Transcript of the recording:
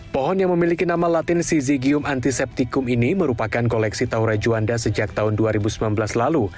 pohon yang memiliki nama latin sizigium antiseptikum ini merupakan koleksi tahura juanda sejak tahun dua ribu sembilan belas lalu